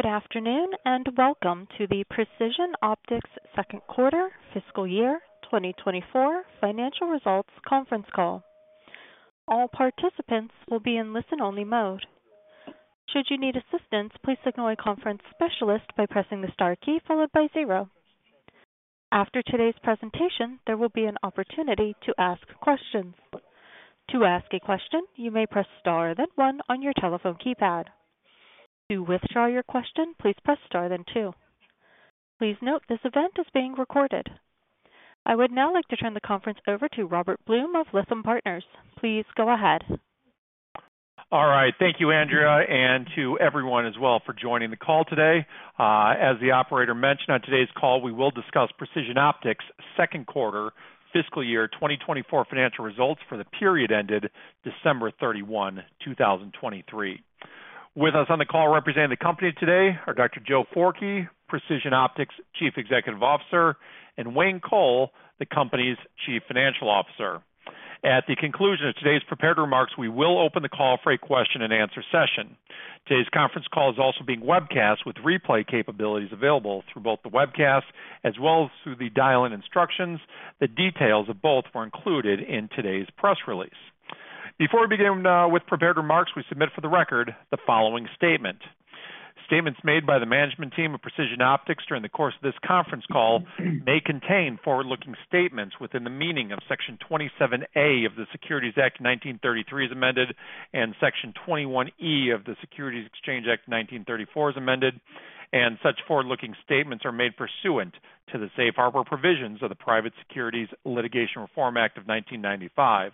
Good afternoon, and welcome to the Precision Optics Second Quarter Fiscal Year 2024 Financial Results Conference Call. All participants will be in listen-only mode. Should you need assistance, please signal a conference specialist by pressing the star key followed by zero. After today's presentation, there will be an opportunity to ask questions. To ask a question, you may press Star, then one on your telephone keypad. To withdraw your question, please press Star, then two. Please note, this event is being recorded. I would now like to turn the conference over to Robert Blum of Lytham Partners. Please go ahead. All right. Thank you, Andrea, and to everyone as well for joining the call today. As the operator mentioned, on today's call, we will discuss Precision Optics' second quarter fiscal year 2024 financial results for the period ended December 31, 2023. With us on the call representing the company today are Dr. Joe Forkey, Precision Optics' Chief Executive Officer, and Wayne Coll, the company's Chief Financial Officer. At the conclusion of today's prepared remarks, we will open the call for a question-and-answer session. Today's conference call is also being webcast, with replay capabilities available through both the webcast as well as through the dial-in instructions. The details of both were included in today's press release. Before we begin with prepared remarks, we submit for the record the following statement. Statements made by the management team of Precision Optics during the course of this conference call may contain forward-looking statements within the meaning of Section 27A of the Securities Act 1933 as amended, and Section 21E of the Securities Exchange Act 1934 as amended, and such forward-looking statements are made pursuant to the Safe Harbor Provisions of the Private Securities Litigation Reform Act of 1995.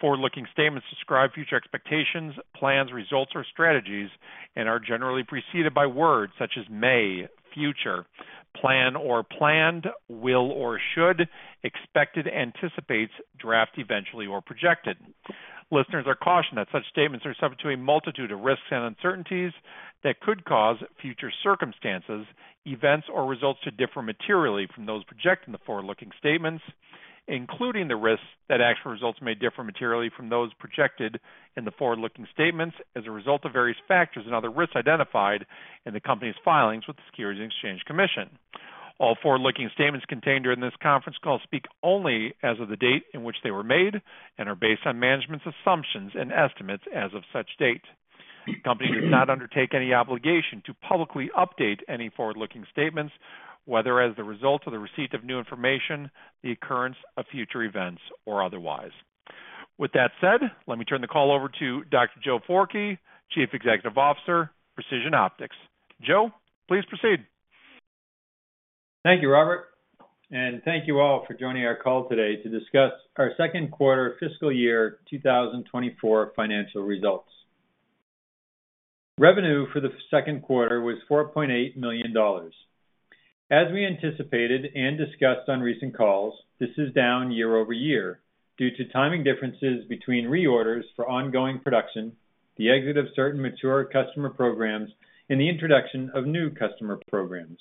Forward-looking statements describe future expectations, plans, results, or strategies and are generally preceded by words such as may, future, plan or planned, will or should, expected, anticipates, draft, eventually, or projected. Listeners are cautioned that such statements are subject to a multitude of risks and uncertainties that could cause future circumstances, events, or results to differ materially from those projected in the forward-looking statements, including the risks that actual results may differ materially from those projected in the forward-looking statements as a result of various factors and other risks identified in the company's filings with the Securities and Exchange Commission. All forward-looking statements contained during this conference call speak only as of the date in which they were made and are based on management's assumptions and estimates as of such date. The company does not undertake any obligation to publicly update any forward-looking statements, whether as a result of the receipt of new information, the occurrence of future events, or otherwise. With that said, let me turn the call over to Dr. Joe Forkey, Chief Executive Officer, Precision Optics. Joe, please proceed. Thank you, Robert, and thank you all for joining our call today to discuss our second quarter fiscal year 2024 financial results. Revenue for the second quarter was $4.8 million. As we anticipated and discussed on recent calls, this is down year over year due to timing differences between reorders for ongoing production, the exit of certain mature customer programs, and the introduction of new customer programs.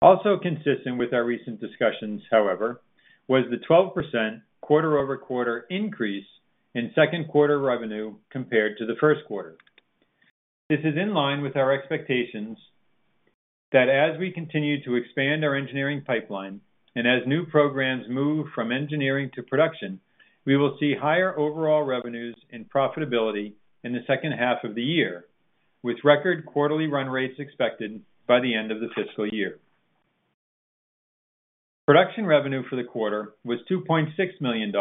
Also consistent with our recent discussions, however, was the 12% quarter-over-quarter increase in second quarter revenue compared to the first quarter. This is in line with our expectations that as we continue to expand our engineering pipeline and as new programs move from engineering to production, we will see higher overall revenues and profitability in the second half of the year, with record quarterly run rates expected by the end of the fiscal year. Production revenue for the quarter was $2.6 million,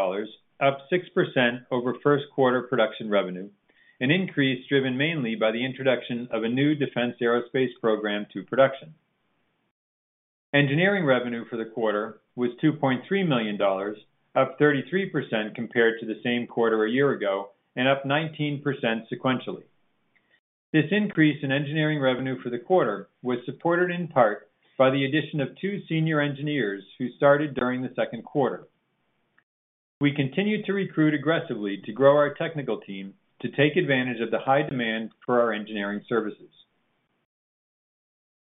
up 6% over first quarter production revenue, an increase driven mainly by the introduction of a new defense aerospace program to production. Engineering revenue for the quarter was $2.3 million, up 33% compared to the same quarter a year ago and up 19% sequentially. This increase in engineering revenue for the quarter was supported in part by the addition of two senior engineers who started during the second quarter. We continued to recruit aggressively to grow our technical team to take advantage of the high demand for our engineering services.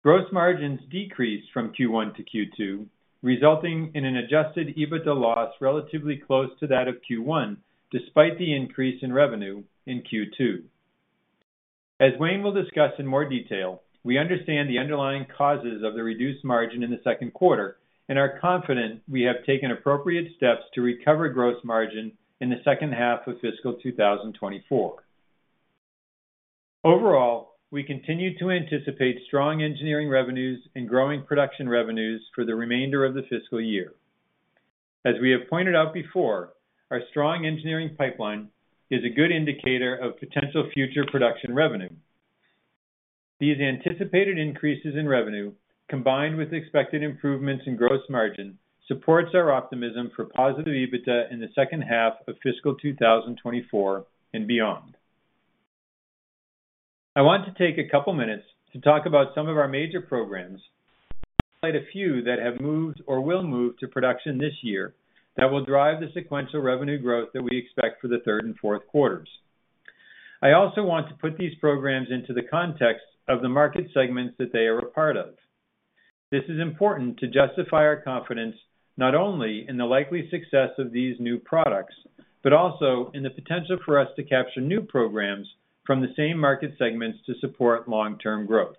Gross margins decreased from Q1 to Q2, resulting in an Adjusted EBITDA loss relatively close to that of Q1, despite the increase in revenue in Q2. As Wayne will discuss in more detail, we understand the underlying causes of the reduced margin in the second quarter and are confident we have taken appropriate steps to recover gross margin in the second half of fiscal 2024. Overall, we continue to anticipate strong engineering revenues and growing production revenues for the remainder of the fiscal year. As we have pointed out before, our strong engineering pipeline is a good indicator of potential future production revenue. These anticipated increases in revenue, combined with expected improvements in gross margin, supports our optimism for positive EBITDA in the second half of fiscal 2024 and beyond. I want to take a couple minutes to talk about some of our major programs, quite a few that have moved or will move to production this year, that will drive the sequential revenue growth that we expect for the third and fourth quarters. I also want to put these programs into the context of the market segments that they are a part of…. This is important to justify our confidence, not only in the likely success of these new products, but also in the potential for us to capture new programs from the same market segments to support long-term growth.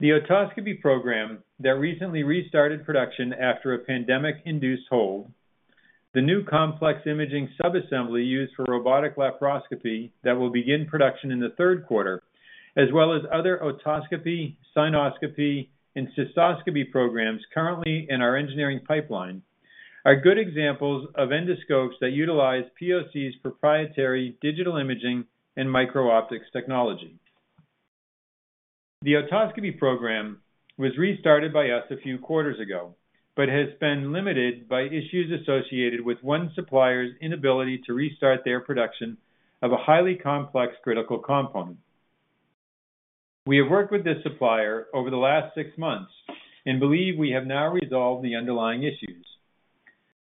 The otoscopy program that recently restarted production after a pandemic-induced hold, the new complex imaging subassembly used for robotic laparoscopy that will begin production in the third quarter, as well as other otoscopy, sinoscopy, and cystoscopy programs currently in our engineering pipeline, are good examples of endoscopes that utilize POC's proprietary digital imaging and micro-optics technology. The otoscopy program was restarted by us a few quarters ago, but has been limited by issues associated with one supplier's inability to restart their production of a highly complex critical component. We have worked with this supplier over the last six months and believe we have now resolved the underlying issues.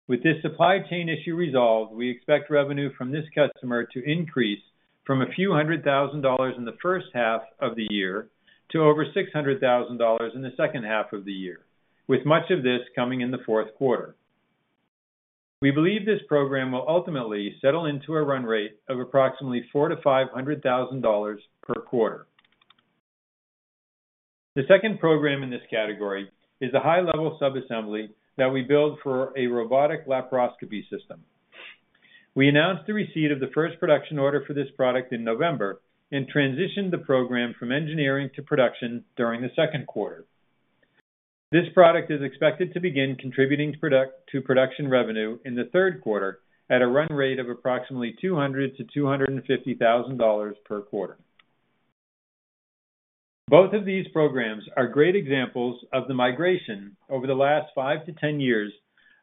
With this supply chain issue resolved, we expect revenue from this customer to increase from a few hundred thousand dollars in the first half of the year to over $600,000 in the second half of the year, with much of this coming in the fourth quarter. We believe this program will ultimately settle into a run rate of approximately $400,000-$500,000 per quarter. The second program in this category is a high-level subassembly that we build for a robotic laparoscopy system. We announced the receipt of the first production order for this product in November and transitioned the program from engineering to production during the second quarter. This product is expected to begin contributing to production revenue in the third quarter at a run rate of approximately $200,000-$250,000 per quarter. Both of these programs are great examples of the migration over the last 5-10 years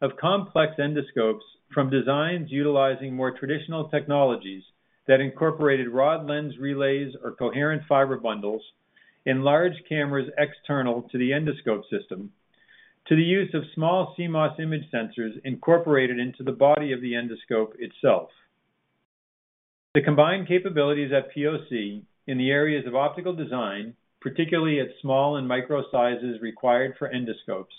of complex endoscopes from designs utilizing more traditional technologies that incorporated rod lens relays or coherent fiber bundles and large cameras external to the endoscope system, to the use of small CMOS image sensors incorporated into the body of the endoscope itself. The combined capabilities at POC in the areas of optical design, particularly at small and micro sizes required for endoscopes,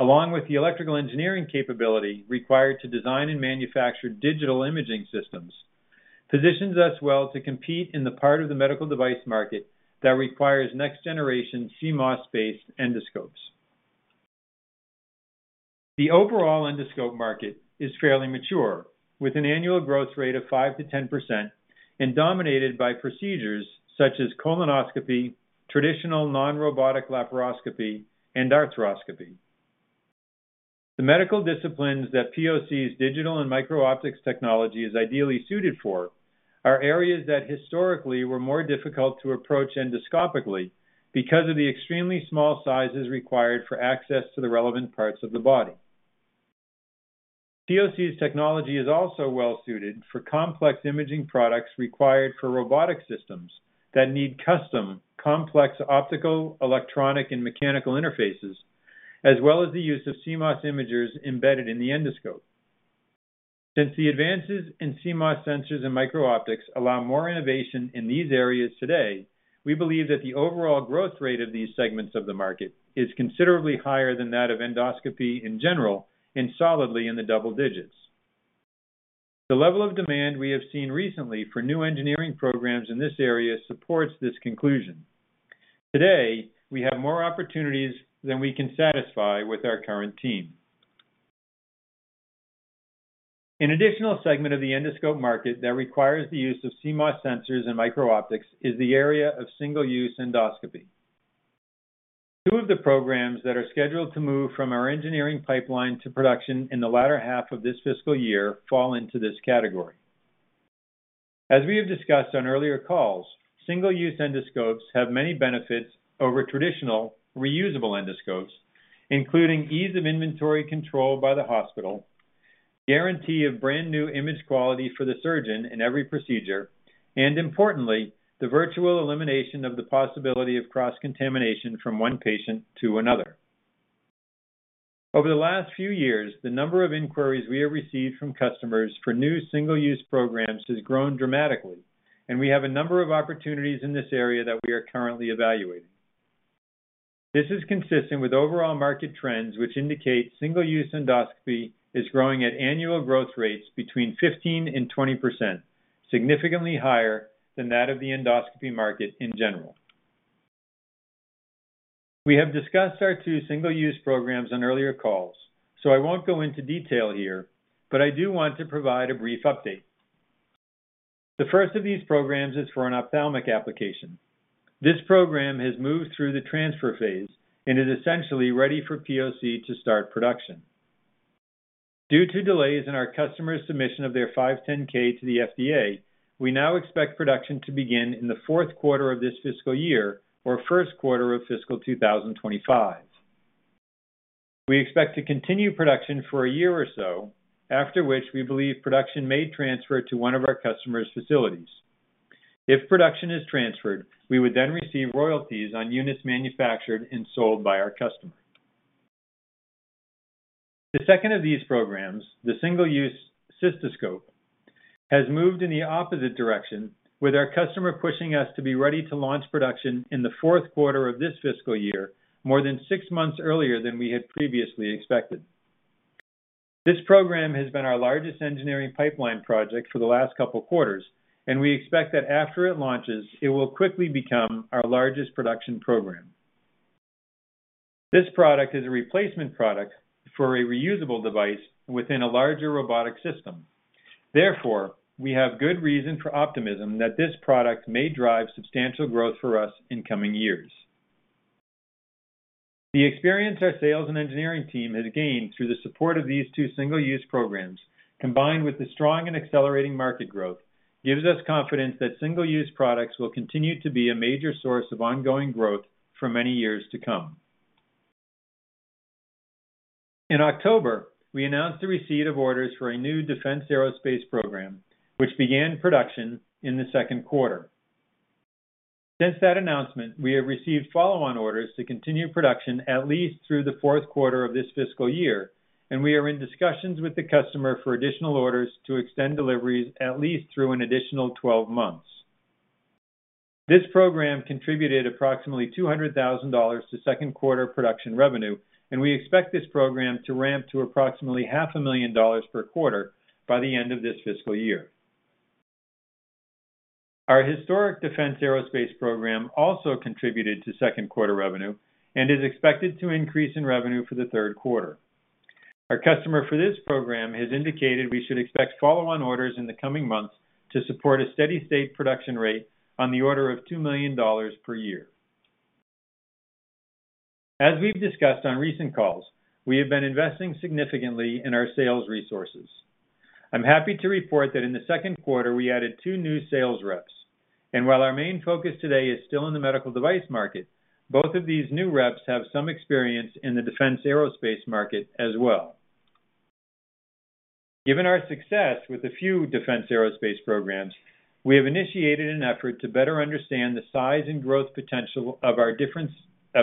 along with the electrical engineering capability required to design and manufacture digital imaging systems, positions us well to compete in the part of the medical device market that requires next-generation CMOS-based endoscopes. The overall endoscope market is fairly mature, with an annual growth rate of 5%-10% and dominated by procedures such as colonoscopy, traditional non-robotic laparoscopy, and arthroscopy. The medical disciplines that POC's digital and micro-optics technology is ideally suited for are areas that historically were more difficult to approach endoscopically because of the extremely small sizes required for access to the relevant parts of the body. POC's technology is also well suited for complex imaging products required for robotic systems that need custom, complex optical, electronic, and mechanical interfaces, as well as the use of CMOS imagers embedded in the endoscope. Since the advances in CMOS sensors and micro-optics allow more innovation in these areas today, we believe that the overall growth rate of these segments of the market is considerably higher than that of endoscopy in general and solidly in the double digits. The level of demand we have seen recently for new engineering programs in this area supports this conclusion. Today, we have more opportunities than we can satisfy with our current team. An additional segment of the endoscope market that requires the use of CMOS sensors and micro-optics is the area of single-use endoscopy. Two of the programs that are scheduled to move from our engineering pipeline to production in the latter half of this fiscal year fall into this category. As we have discussed on earlier calls, single-use endoscopes have many benefits over traditional reusable endoscopes, including ease of inventory control by the hospital, guarantee of brand-new image quality for the surgeon in every procedure, and importantly, the virtual elimination of the possibility of cross-contamination from one patient to another. Over the last few years, the number of inquiries we have received from customers for new single-use programs has grown dramatically, and we have a number of opportunities in this area that we are currently evaluating. This is consistent with overall market trends, which indicate single-use endoscopy is growing at annual growth rates between 15%-20%, significantly higher than that of the endoscopy market in general. We have discussed our two single-use programs on earlier calls, so I won't go into detail here, but I do want to provide a brief update. The first of these programs is for an ophthalmic application. This program has moved through the transfer phase and is essentially ready for POC to start production. Due to delays in our customer's submission of their 510(k) to the FDA, we now expect production to begin in the fourth quarter of this fiscal year or first quarter of fiscal 2025. We expect to continue production for a year or so, after which we believe production may transfer to one of our customer's facilities. If production is transferred, we would then receive royalties on units manufactured and sold by our customer. The second of these programs, the single-use cystoscope, has moved in the opposite direction, with our customer pushing us to be ready to launch production in the fourth quarter of this fiscal year, more than 6 months earlier than we had previously expected. This program has been our largest engineering pipeline project for the last couple quarters, and we expect that after it launches, it will quickly become our largest production program. This product is a replacement product for a reusable device within a larger robotic system. Therefore, we have good reason for optimism that this product may drive substantial growth for us in coming years. The experience our sales and engineering team has gained through the support of these two single-use programs, combined with the strong and accelerating market growth, gives us confidence that single-use products will continue to be a major source of ongoing growth for many years to come. In October, we announced the receipt of orders for a new defense aerospace program, which began production in the second quarter. Since that announcement, we have received follow-on orders to continue production at least through the fourth quarter of this fiscal year, and we are in discussions with the customer for additional orders to extend deliveries at least through an additional 12 months. This program contributed approximately $200,000 to second quarter production revenue, and we expect this program to ramp to approximately $500,000 per quarter by the end of this fiscal year. Our historic defense aerospace program also contributed to second quarter revenue and is expected to increase in revenue for the third quarter. Our customer for this program has indicated we should expect follow-on orders in the coming months to support a steady state production rate on the order of $2 million per year. As we've discussed on recent calls, we have been investing significantly in our sales resources. I'm happy to report that in the second quarter, we added two new sales reps. While our main focus today is still in the medical device market, both of these new reps have some experience in the defense aerospace market as well. Given our success with a few defense aerospace programs, we have initiated an effort to better understand the size and growth potential of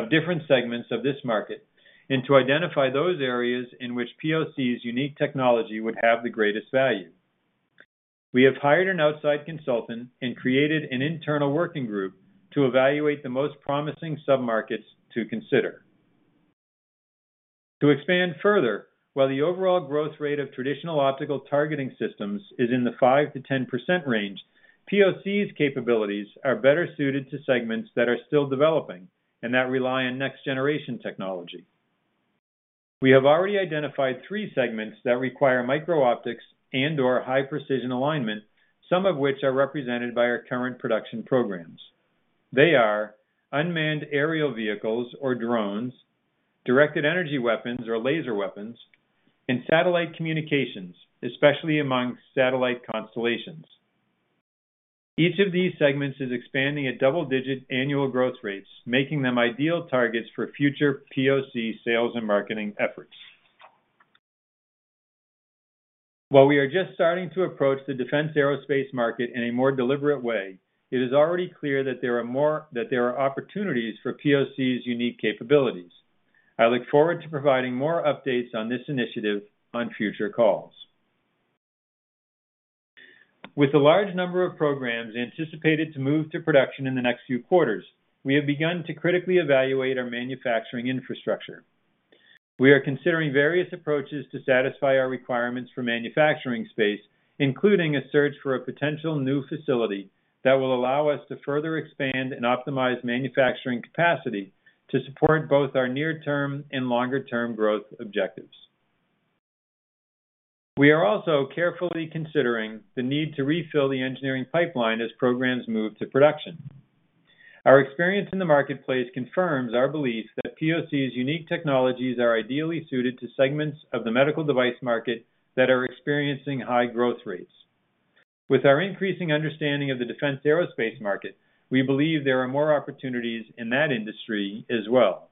different segments of this market, and to identify those areas in which POC's unique technology would have the greatest value. We have hired an outside consultant and created an internal working group to evaluate the most promising sub-markets to consider. To expand further, while the overall growth rate of traditional optical targeting systems is in the 5%-10% range, POC's capabilities are better suited to segments that are still developing and that rely on next-generation technology. We have already identified three segments that require micro-optics and/or high-precision alignment, some of which are represented by our current production programs. They are unmanned aerial vehicles or drones, directed energy weapons or laser weapons, and satellite communications, especially among satellite constellations. Each of these segments is expanding at double-digit annual growth rates, making them ideal targets for future POC sales and marketing efforts. While we are just starting to approach the defense aerospace market in a more deliberate way, it is already clear that there are opportunities for POC's unique capabilities. I look forward to providing more updates on this initiative on future calls. With a large number of programs anticipated to move to production in the next few quarters, we have begun to critically evaluate our manufacturing infrastructure. We are considering various approaches to satisfy our requirements for manufacturing space, including a search for a potential new facility that will allow us to further expand and optimize manufacturing capacity to support both our near-term and longer-term growth objectives. We are also carefully considering the need to refill the engineering pipeline as programs move to production. Our experience in the marketplace confirms our belief that POC's unique technologies are ideally suited to segments of the medical device market that are experiencing high growth rates. With our increasing understanding of the defense aerospace market, we believe there are more opportunities in that industry as well.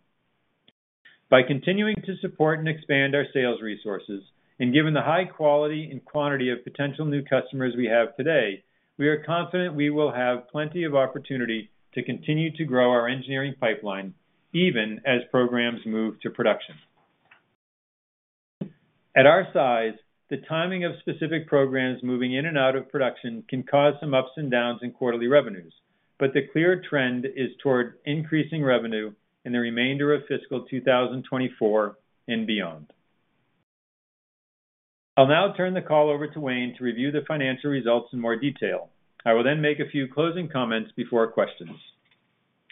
By continuing to support and expand our sales resources, and given the high quality and quantity of potential new customers we have today, we are confident we will have plenty of opportunity to continue to grow our engineering pipeline, even as programs move to production. At our size, the timing of specific programs moving in and out of production can cause some ups and downs in quarterly revenues, but the clear trend is toward increasing revenue in the remainder of fiscal 2024 and beyond. I'll now turn the call over to Wayne to review the financial results in more detail. I will then make a few closing comments before questions.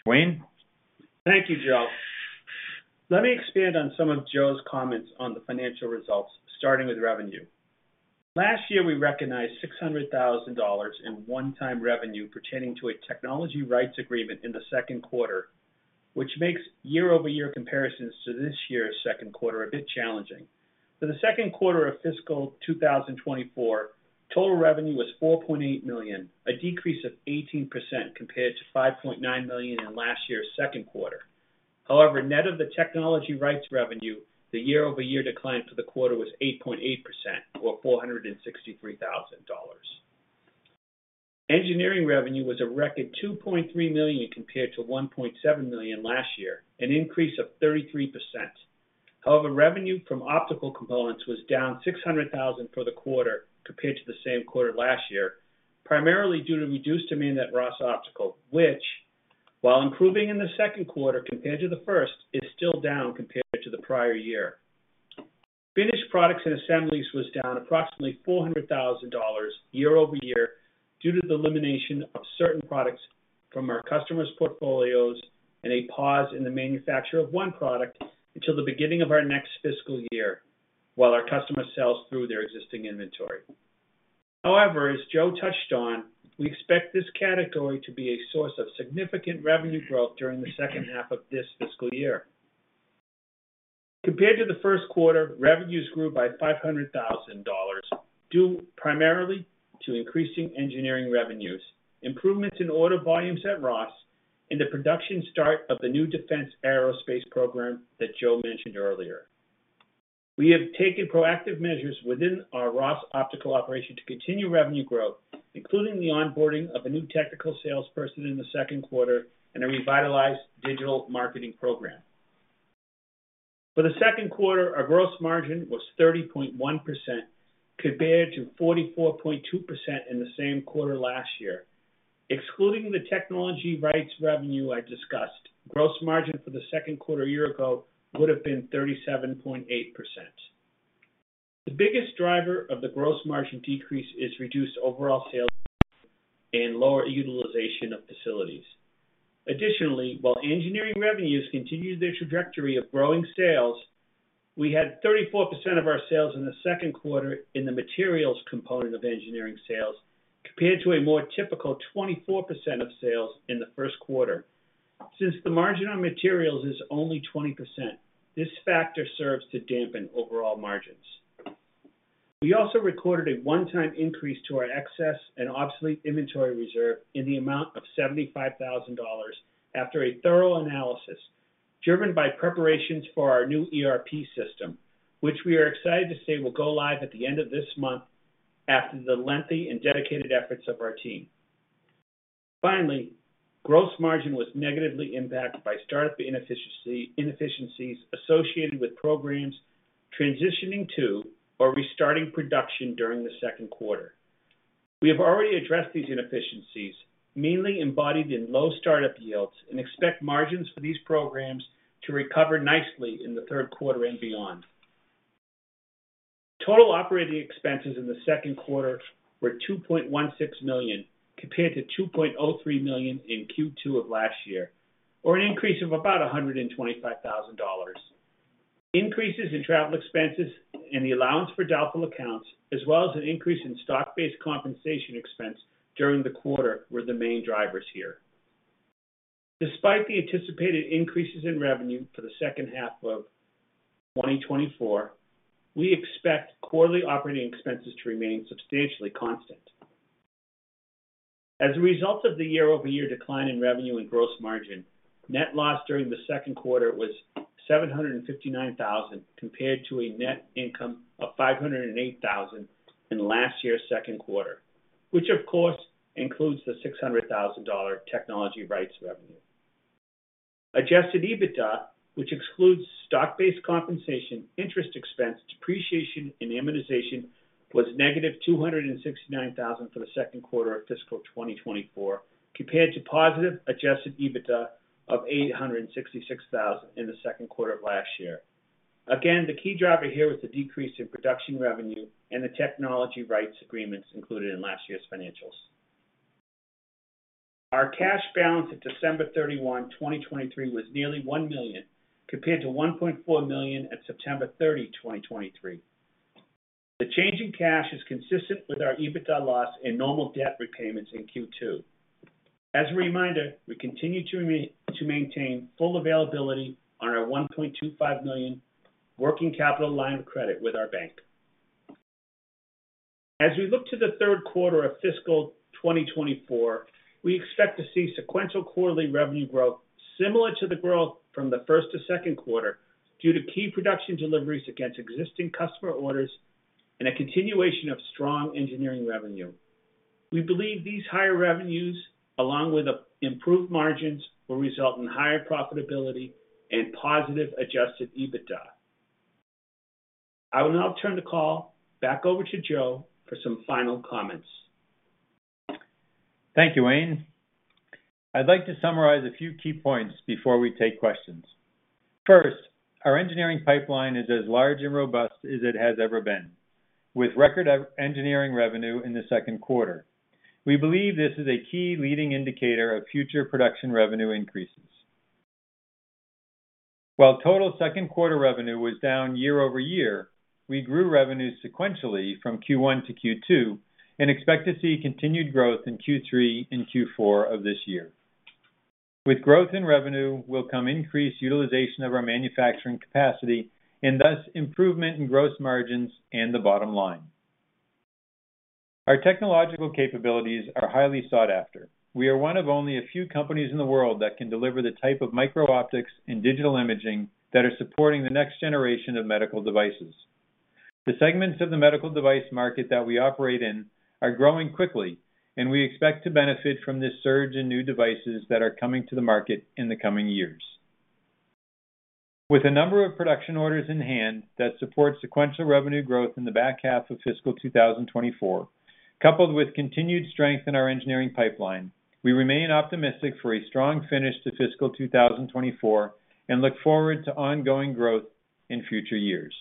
Wayne? Thank you, Joe. Let me expand on some of Joe's comments on the financial results, starting with revenue. Last year, we recognized $600,000 in one-time revenue pertaining to a technology rights agreement in the second quarter, which makes year-over-year comparisons to this year's second quarter a bit challenging. For the second quarter of fiscal 2024, total revenue was $4.8 million, a decrease of 18% compared to $5.9 million in last year's second quarter. However, net of the technology rights revenue, the year-over-year decline for the quarter was 8.8%, or $463,000. Engineering revenue was a record $2.3 million compared to $1.7 million last year, an increase of 33%. However, revenue from optical components was down $600,000 for the quarter compared to the same quarter last year, primarily due to reduced demand at Ross Optical, which, while improving in the second quarter compared to the first, is still down compared to the prior year. Finished products and assemblies was down approximately $400,000 year-over-year due to the elimination of certain products from our customers' portfolios and a pause in the manufacture of one product until the beginning of our next fiscal year, while our customer sells through their existing inventory. However, as Joe touched on, we expect this category to be a source of significant revenue growth during the second half of this fiscal year. Compared to the first quarter, revenues grew by $500,000, due primarily to increasing engineering revenues, improvements in order volumes at Ross, and the production start of the new defense aerospace program that Joe mentioned earlier. We have taken proactive measures within our Ross Optical operation to continue revenue growth, including the onboarding of a new technical salesperson in the second quarter and a revitalized digital marketing program. For the second quarter, our gross margin was 30.1%, compared to 44.2% in the same quarter last year. Excluding the technology rights revenue I discussed, gross margin for the second quarter a year ago would have been 37.8%. The biggest driver of the gross margin decrease is reduced overall sales and lower utilization of facilities. Additionally, while engineering revenues continued their trajectory of growing sales, we had 34% of our sales in the second quarter in the materials component of engineering sales, compared to a more typical 24% of sales in the first quarter. Since the margin on materials is only 20%, this factor serves to dampen overall margins. We also recorded a one-time increase to our excess and obsolete inventory reserve in the amount of $75,000 after a thorough analysis driven by preparations for our new ERP system, which we are excited to say will go live at the end of this month after the lengthy and dedicated efforts of our team. Finally, gross margin was negatively impacted by startup inefficiencies associated with programs transitioning to or restarting production during the second quarter. We have already addressed these inefficiencies, mainly embodied in low startup yields, and expect margins for these programs to recover nicely in the third quarter and beyond. Total operating expenses in the second quarter were $2.16 million, compared to $2.03 million in Q2 of last year, or an increase of about $125,000. Increases in travel expenses and the allowance for doubtful accounts, as well as an increase in stock-based compensation expense during the quarter, were the main drivers here. Despite the anticipated increases in revenue for the second half of 2024, we expect quarterly operating expenses to remain substantially constant. As a result of the year-over-year decline in revenue and gross margin, net loss during the second quarter was $759,000, compared to a net income of $508,000 in last year's second quarter, which of course includes the $600,000 technology rights revenue. Adjusted EBITDA, which excludes stock-based compensation, interest expense, depreciation, and amortization, was -$269,000 for the second quarter of fiscal 2024, compared to positive adjusted EBITDA of $866,000 in the second quarter of last year. Again, the key driver here was the decrease in production revenue and the technology rights agreements included in last year's financials. Our cash balance at December 31, 2023, was nearly $1 million, compared to $1.4 million at September 30, 2023. The change in cash is consistent with our EBITDA loss and normal debt repayments in Q2. As a reminder, we continue to maintain full availability on our $1.25 million working capital line of credit with our bank. As we look to the third quarter of fiscal 2024, we expect to see sequential quarterly revenue growth similar to the growth from the first to second quarter, due to key production deliveries against existing customer orders and a continuation of strong engineering revenue. We believe these higher revenues, along with the improved margins, will result in higher profitability and positive adjusted EBITDA. I will now turn the call back over to Joe for some final comments. Thank you, Wayne. I'd like to summarize a few key points before we take questions. First, our engineering pipeline is as large and robust as it has ever been, with record of engineering revenue in the second quarter. We believe this is a key leading indicator of future production revenue increases. While total second quarter revenue was down year-over-year, we grew revenues sequentially from Q1 to Q2 and expect to see continued growth in Q3 and Q4 of this year. With growth in revenue will come increased utilization of our manufacturing capacity and thus improvement in gross margins and the bottom line. Our technological capabilities are highly sought after. We are one of only a few companies in the world that can deliver the type of micro-optics and digital imaging that are supporting the next generation of medical devices. The segments of the medical device market that we operate in are growing quickly, and we expect to benefit from this surge in new devices that are coming to the market in the coming years. With a number of production orders in hand that support sequential revenue growth in the back half of fiscal 2024, coupled with continued strength in our engineering pipeline, we remain optimistic for a strong finish to fiscal 2024 and look forward to ongoing growth in future years.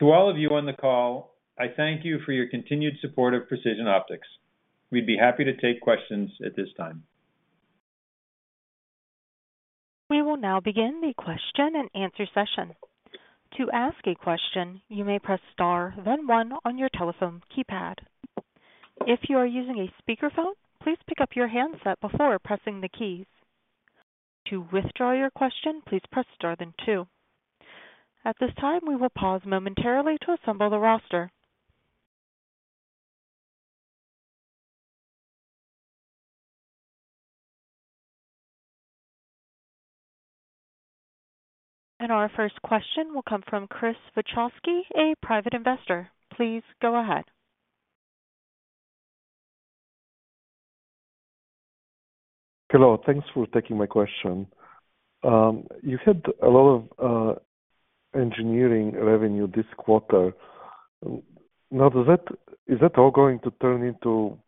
To all of you on the call, I thank you for your continued support of Precision Optics. We'd be happy to take questions at this time. We will now begin the question and answer session. To ask a question, you may press star, then one on your telephone keypad. If you are using a speakerphone, please pick up your handset before pressing the keys. To withdraw your question, please press star then two. At this time, we will pause momentarily to assemble the roster. Our first question will come from Chris Witowski, a private investor. Please go ahead. Hello, thanks for taking my question. You had a lot of engineering revenue this quarter. Now, does that- is that all going to turn into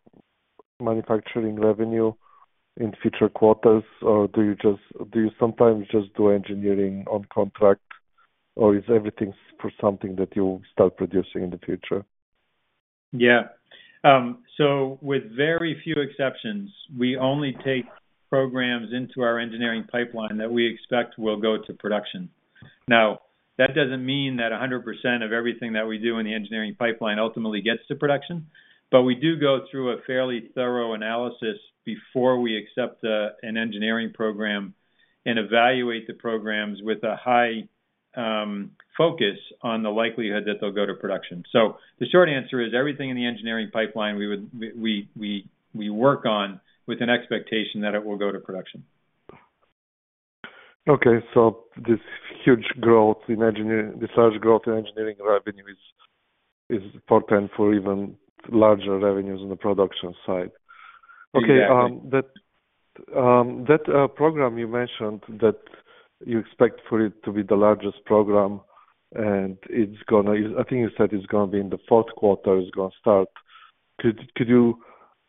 manufacturing revenue in future quarters, or do you just, do you sometimes just do engineering on contract, or is everything for something that you'll start producing in the future? Yeah. So with very few exceptions, we only take programs into our engineering pipeline that we expect will go to production. Now, that doesn't mean that 100% of everything that we do in the engineering pipeline ultimately gets to production, but we do go through a fairly thorough analysis before we accept an engineering program and evaluate the programs with a high focus on the likelihood that they'll go to production. So the short answer is, everything in the engineering pipeline, we work on with an expectation that it will go to production. Okay. So this huge growth in engineering, this large growth in engineering revenue is potent for even larger revenues on the production side. Exactly. Okay, that program you mentioned that you expect for it to be the largest program, and it's gonna, I think you said it's gonna be in the fourth quarter, it's gonna start. Could you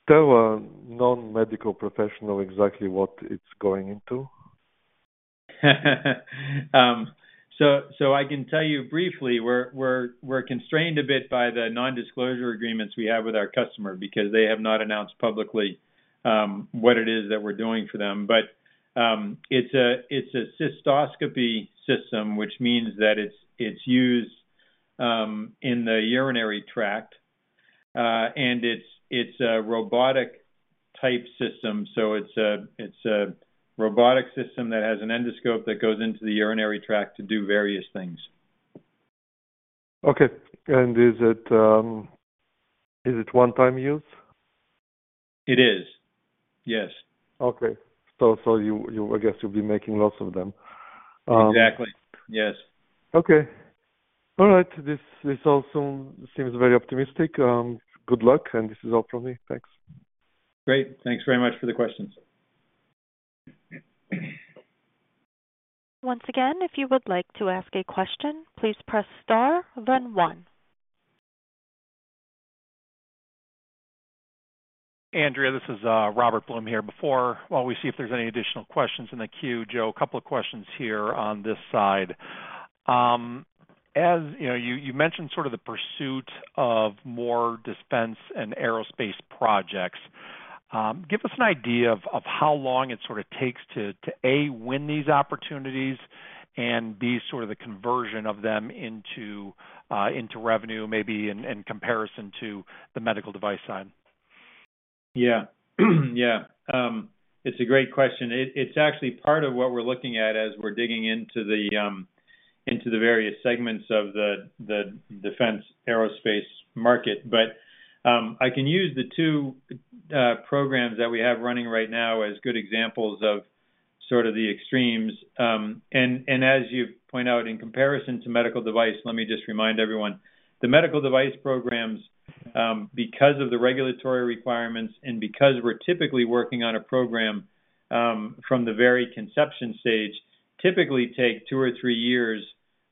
tell a non-medical professional exactly what it's going into? So I can tell you briefly, we're constrained a bit by the non-disclosure agreements we have with our customer because they have not announced publicly what it is that we're doing for them. But it's a cystoscopy system, which means that it's used in the urinary tract, and it's a robotic-type system. So it's a robotic system that has an endoscope that goes into the urinary tract to do various things. Okay. And is it, is it one-time use? It is, yes. Okay. So you, I guess you'll be making lots of them. Exactly. Yes. Okay. All right. This, this also seems very optimistic. Good luck, and this is all from me. Thanks. Great. Thanks very much for the questions. Once again, if you would like to ask a question, please press star then one. Andrea, this is Robert Blum here. Before, while we see if there's any additional questions in the queue, Joe, a couple of questions here on this side. As you know, you mentioned sort of the pursuit of more defense and aerospace projects. Give us an idea of how long it sort of takes to A, win these opportunities, and B, sort of the conversion of them into revenue, maybe in comparison to the medical device side. Yeah. Yeah. It's a great question. It's actually part of what we're looking at as we're digging into the various segments of the defense aerospace market. But I can use the two programs that we have running right now as good examples of sort of the extremes. And as you point out, in comparison to medical device, let me just remind everyone, the medical device programs because of the regulatory requirements and because we're typically working on a program from the very conception stage, typically take two or three years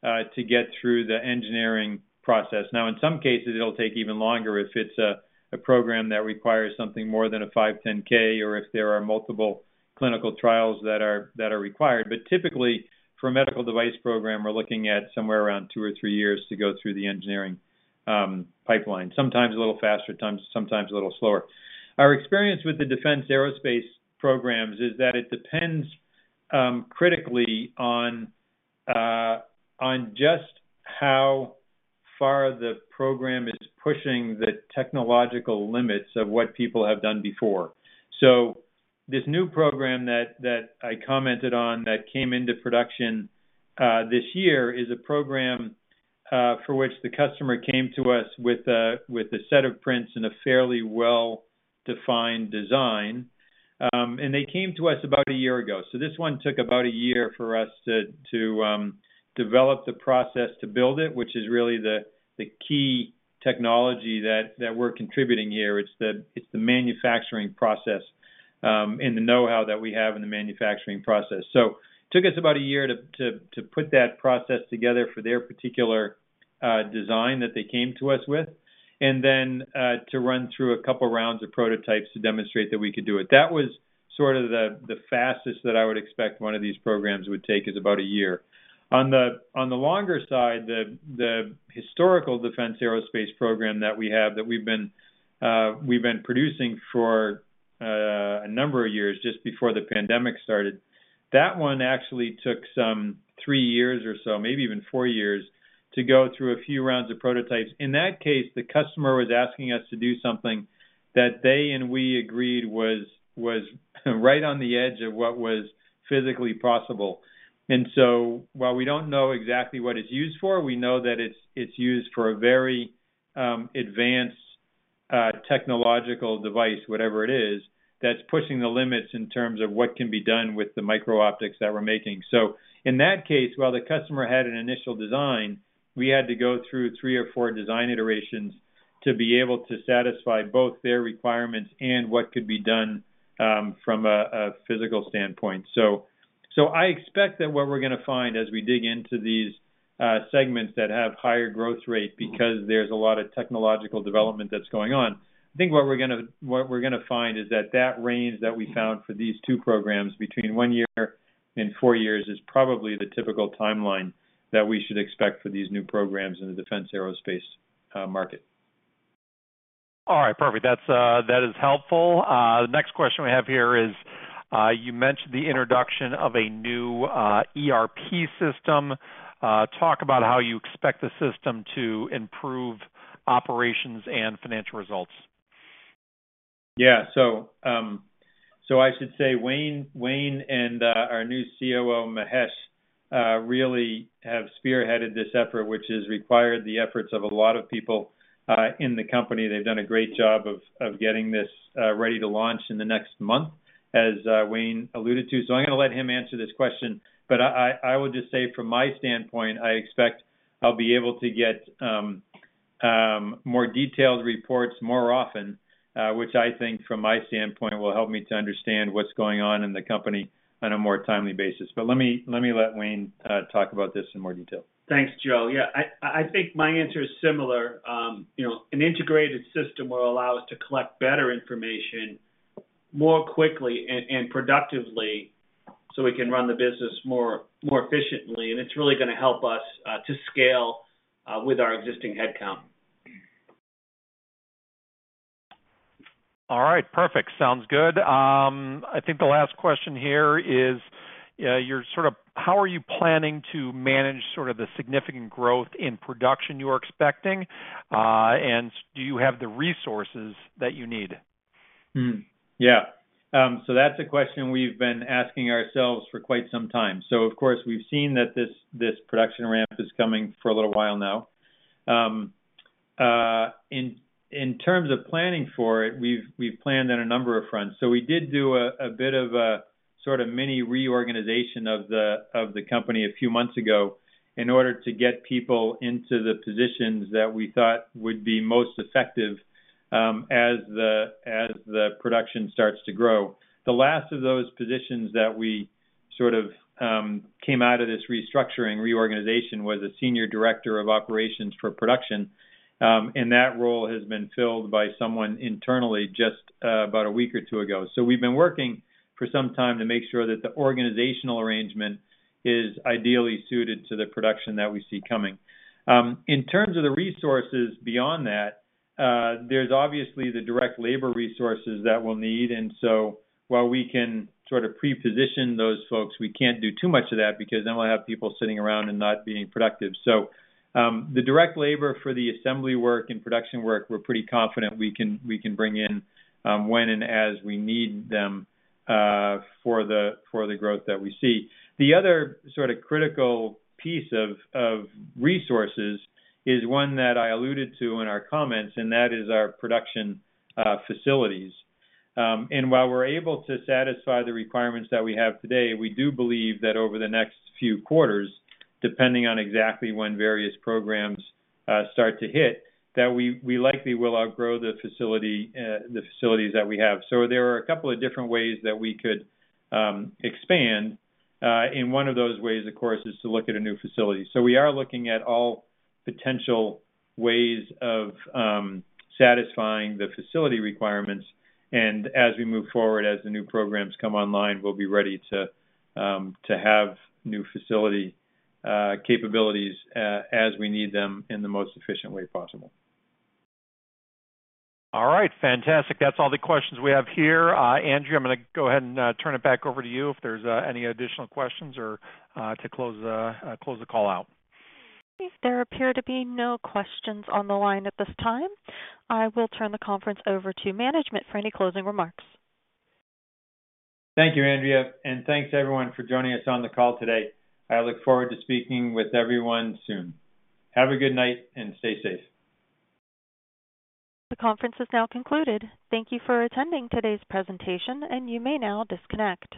to get through the engineering process. Now, in some cases, it'll take even longer if it's a program that requires something more than a 510(k) or if there are multiple clinical trials that are required. But typically, for a medical device program, we're looking at somewhere around two or three years to go through the engineering pipeline, sometimes a little faster, sometimes a little slower. Our experience with the defense aerospace programs is that it depends critically on just how far the program is pushing the technological limits of what people have done before. So this new program that I commented on, that came into production this year, is a program for which the customer came to us with a set of prints and a fairly well-defined design. And they came to us about a year ago. So this one took about a year for us to develop the process to build it, which is really the key technology that we're contributing here. It's the manufacturing process, and the know-how that we have in the manufacturing process. So it took us about a year to put that process together for their particular design that they came to us with, and then to run through a couple of rounds of prototypes to demonstrate that we could do it. That was sort of the fastest that I would expect one of these programs would take, is about a year. On the longer side, the historical defense aerospace program that we have, that we've been producing for a number of years, just before the pandemic started, that one actually took some three years or so, maybe even four years, to go through a few rounds of prototypes. In that case, the customer was asking us to do something that they and we agreed was right on the edge of what was physically possible. And so while we don't know exactly what it's used for, we know that it's used for a very advanced technological device, whatever it is, that's pushing the limits in terms of what can be done with the micro-optics that we're making. So in that case, while the customer had an initial design, we had to go through three or four design iterations to be able to satisfy both their requirements and what could be done from a physical standpoint. So I expect that what we're gonna find as we dig into these segments that have higher growth rate, because there's a lot of technological development that's going on, I think what we're gonna find is that that range that we found for these two programs, between one year and four years, is probably the typical timeline that we should expect for these new programs in the defense aerospace market. All right, perfect. That's, that is helpful. The next question we have here is, you mentioned the introduction of a new, ERP system. Talk about how you expect the system to improve operations and financial results? Yeah. So, I should say, Wayne and our new COO, Mahesh, really have spearheaded this effort, which has required the efforts of a lot of people in the company. They've done a great job of getting this ready to launch in the next month, as Wayne alluded to. So I'm gonna let him answer this question, but I would just say from my standpoint, I expect I'll be able to get more detailed reports more often, which I think from my standpoint, will help me to understand what's going on in the company on a more timely basis. But let me let Wayne talk about this in more detail. Thanks, Joe. Yeah, I think my answer is similar. You know, an integrated system will allow us to collect better information more quickly and productively, so we can run the business more efficiently. And it's really gonna help us to scale with our existing headcount. All right, perfect. Sounds good. I think the last question here is, you're sort of, how are you planning to manage sort of the significant growth in production you are expecting? And do you have the resources that you need? Yeah. So that's a question we've been asking ourselves for quite some time. So of course, we've seen that this production ramp is coming for a little while now. In terms of planning for it, we've planned on a number of fronts. So we did do a bit of a sort of mini reorganization of the company a few months ago in order to get people into the positions that we thought would be most effective, as the production starts to grow. The last of those positions that we sort of came out of this restructuring reorganization was a senior director of operations for production, and that role has been filled by someone internally just about a week or two ago. So we've been working for some time to make sure that the organizational arrangement is ideally suited to the production that we see coming. In terms of the resources beyond that, there's obviously the direct labor resources that we'll need, and so while we can sort of pre-position those folks, we can't do too much of that, because then we'll have people sitting around and not being productive. So, the direct labor for the assembly work and production work, we're pretty confident we can, we can bring in, when and as we need them, for the, for the growth that we see. The other sort of critical piece of, of resources is one that I alluded to in our comments, and that is our production facilities. And while we're able to satisfy the requirements that we have today, we do believe that over the next few quarters, depending on exactly when various programs start to hit, that we likely will outgrow the facilities that we have. So there are a couple of different ways that we could expand, and one of those ways, of course, is to look at a new facility. So we are looking at all potential ways of satisfying the facility requirements. And as we move forward, as the new programs come online, we'll be ready to have new facility capabilities as we need them in the most efficient way possible. All right, fantastic. That's all the questions we have here. Andrea, I'm gonna go ahead and turn it back over to you if there's any additional questions or to close the call out. There appear to be no questions on the line at this time. I will turn the conference over to management for any closing remarks. Thank you, Andrea, and thanks, everyone, for joining us on the call today. I look forward to speaking with everyone soon. Have a good night and stay safe. The conference is now concluded. Thank you for attending today's presentation, and you may now disconnect.